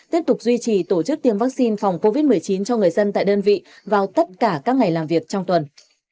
tiếp tục duy trì tổ chức tiêm vaccine phòng covid một mươi chín cho người dân tại đơn vị vào tất cả các ngày làm việc trong tuần